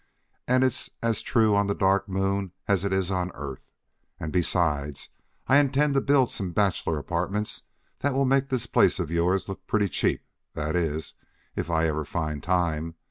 And it's as true on the Dark Moon as it is on Earth. And, besides, I intend to build some bachelor apartments that will make this place of yours look pretty cheap, that is, if I ever find time.